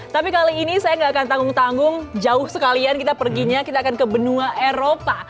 tapi kali ini saya nggak akan tanggung tanggung jauh sekalian kita perginya kita akan ke benua eropa